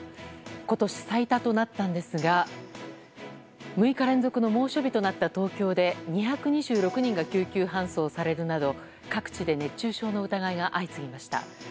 今年最多となったんですが６日連続の猛暑日となった東京で２２６人が救急搬送されるなど各地で熱中症の疑いが相次ぎました。